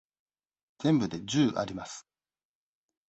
全部で十あります。